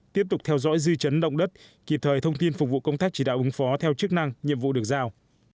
tiếp tục theo dõi dư chấn động đất kịp thời thông tin phục vụ công tác chỉ đạo ứng phó theo chức năng nhiệm vụ được giao